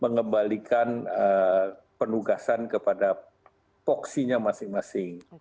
mengembalikan penugasan kepada voksinya masing masing